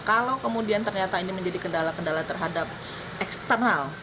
kalau kemudian ternyata ini menjadi kendala kendala terhadap eksternal